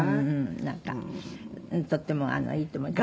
なんかとってもいいと思います。